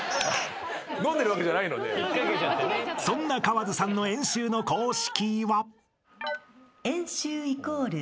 ［そんな川津さんの円周の公式は？］